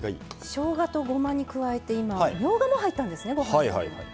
しょうがと、ごまに加えてみょうがも入ったんですね。